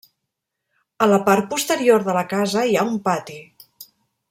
A la part posterior de la casa hi ha un pati.